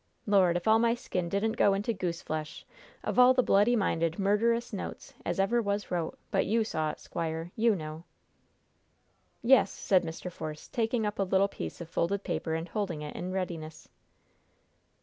Lord, if all my skin didn't go into goose flesh! Of all the bloody minded, murderous notes as ever was wrote. But you saw it, squire. You know!" "Yes," said Mr. Force, taking up a little piece of folded paper and holding it in readiness.